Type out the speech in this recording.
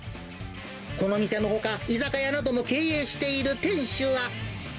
この店のほか、居酒屋なども経営している店主は。